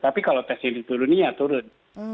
tapi kalau tes ini turun ya turun